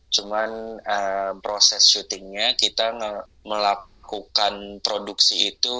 cuman proses syutingnya kita melakukan produksi itu